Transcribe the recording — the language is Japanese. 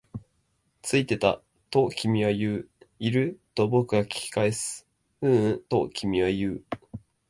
ついてた、と君は言う。いる？と僕は聞き返す。ううん、と君は言う。